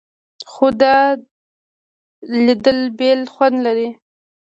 خو دا لیدل بېل خوند لري.